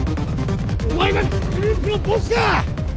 お前がグループのボスか